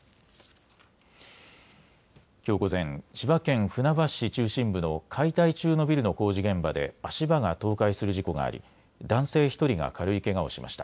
きょう午前、千葉県船橋市中心部の解体中のビルの工事現場で足場が倒壊する事故があり、男性１人が軽いけがをしました。